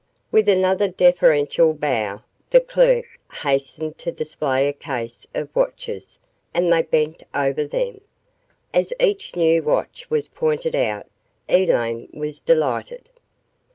With another deferential bow, the clerk hastened to display a case of watches and they bent over them. As each new watch was pointed out, Elaine was delighted.